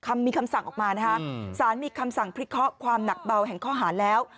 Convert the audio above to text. มีคำสั่งออกมานะคะสารมีคำสั่งพิเคราะห์ความหนักเบาแห่งข้อหาแล้ว